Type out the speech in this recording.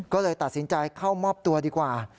ก็เลยตัดสินใจเข้ามอบตัวดีกว่า